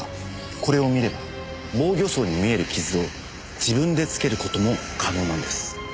これを見れば防御創に見える傷を自分でつける事も可能なんです。